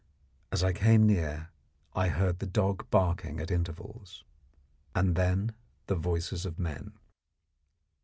As I came near I heard the dog barking at intervals, and then the voices of men.